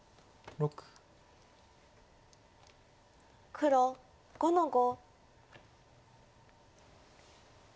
黒５の五。